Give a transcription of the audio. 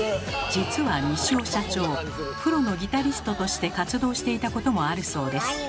実は西尾社長プロのギタリストとして活動していたこともあるそうです。